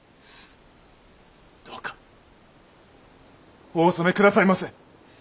どうかお納め下さいませ。